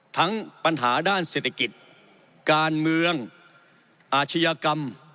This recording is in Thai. ทั้งปัญหาด้านเศรษฐกิจการเมืองอาชญากรรม